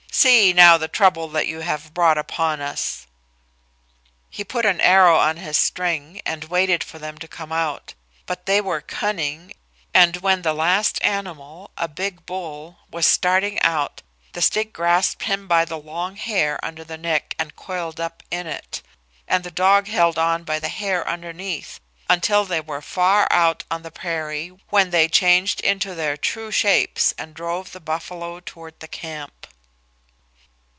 See now the trouble that you have brought upon us!" He put an arrow on his string and waited for them to come out, but they were cunning, and when the last animal, a big bull, was starting out the stick grasped him by the long hair under the neck and coiled up in it, and the dog held on by the hair underneath until they were far out on the prairie, when they changed into their true shapes and drove the buffalo toward the camp.